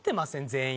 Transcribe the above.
全員。